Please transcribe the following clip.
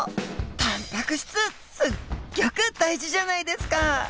タンパク質すっギョく大事じゃないですか！